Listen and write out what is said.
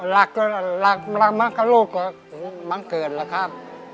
รักมากกว่าลูกบางเกิดแหละครับ